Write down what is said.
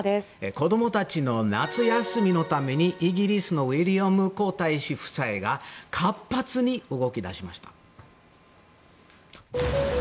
子供たちの夏休みのためにイギリスのウィリアム皇太子夫妻が活発に動き出しました。